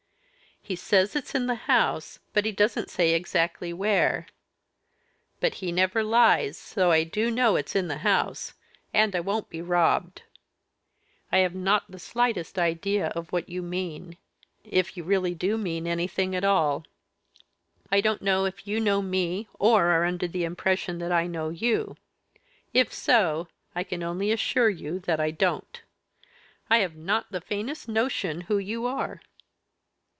He says it's in the house, but he doesn't say exactly where. But he never lies so I do know it's in the house, and I won't be robbed." "I have not the slightest idea of what you mean if you really do mean anything at all. I don't know if you know me or are under the impression that I know you; if so, I can only assure you that I don't. I have not the faintest notion who you are."